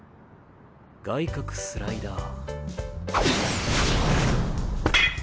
外角スライダー。